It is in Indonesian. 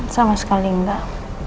sama sekali enggak